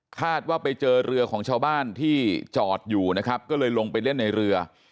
คาดว่าไปเจอเรือของชาวบ้านที่จอดอยู่นะครับก็เลยลงไปเล่นในเรือ